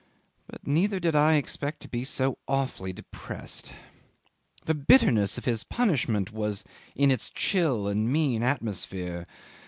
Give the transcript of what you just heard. But neither did I expect to be so awfully depressed. The bitterness of his punishment was in its chill and mean atmosphere.